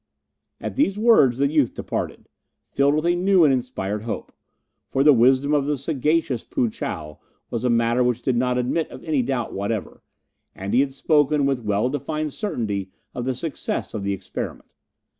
At these words the youth departed, filled with a new and inspired hope; for the wisdom of the sagacious Poo chow was a matter which did not admit of any doubt whatever, and he had spoken with well defined certainty of the success of the experiment.